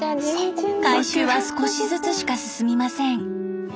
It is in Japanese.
改修は少しずつしか進みません。